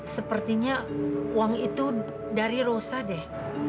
sepertinya uang itu dari rosa deh